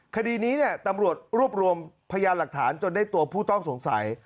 คดีนี้ตำรวจรวบรวมพยานหลักฐานจนได้ตัวผู้ต้องสงสัย